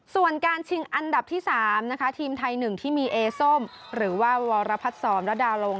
ส่วนการชิงอันดับที่๓ทีมไทยหนึ่งที่มีเอส้มหรือว่าวรพัดสอมระดาลง